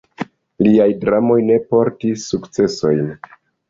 Liaj dramoj ne portis sukcesojn.